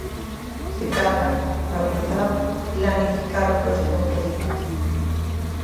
Se cadra, para comezar a planificar o próximo proxecto.